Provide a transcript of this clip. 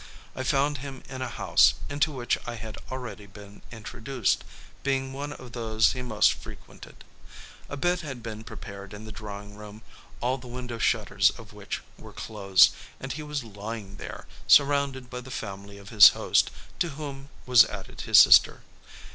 I found him in a house, into which I had already been introduced, being one of those he most frequented. A bed had been prepared in the drawing room, all the window shutters of which were closed, and he was lying there, surrounded by the family of his host, to whom was added his sister.